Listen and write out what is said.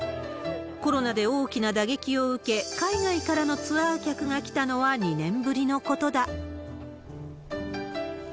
コロナで大きな打撃を受け、海外からのツアー客が来たのは２年ぶりのことだ。